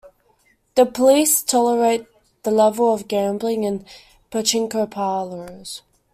The police tolerate the level of gambling in pachinko parlors.